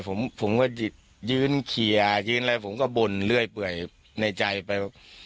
ผมผมก็ยืนเคลียร์ยืนอะไรผมก็บ่นเรื่อยเปื่อยในใจไป